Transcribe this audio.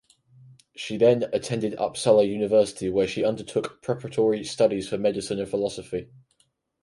She then attended Uppsala University where she undertook preparatory studies for medicine and philosophy.